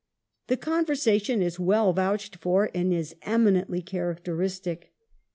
The conver sation is well vouched for,^ and is eminently characteristic.